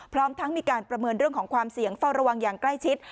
พร้อมทั้งมีการประเมินเรื่องของความเสี่ยงเฝ้าระวังอย่างใกล้ชิด